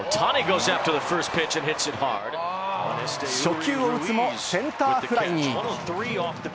初球を打つもセンターフライに。